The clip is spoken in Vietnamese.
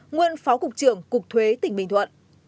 nguyên phó cục trưởng cục thuế tỉnh bình thuận